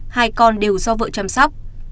hai con đều do vợ chăm sóc